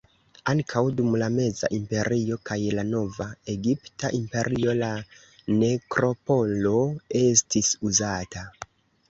Ankaŭ dum la Meza Imperio kaj la Nova Egipta Imperio la nekropolo estis uzata.